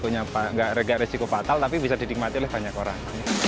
nggak resiko patah tapi bisa didikmati oleh banyak orang